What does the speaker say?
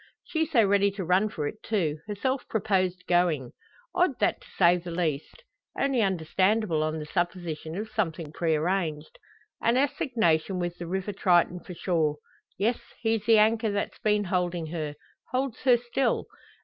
She so ready to run for it, too herself proposed going! Odd, that to say the least. Only understandable on the supposition of something prearranged. An assignation with the River Triton for sure! Yes; he's the anchor that's been holding her holds her still.